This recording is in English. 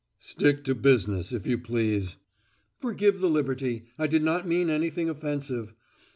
"Stick to business, if you please." "Forgive the liberty. I did not mean anything offensive.